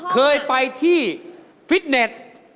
เคยไปที่ฟิตเน็ต